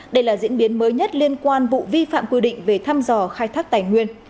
đây là diễn biến mới nhất liên quan vụ vi phạm quy định về thăm dò khai thác tài nguyên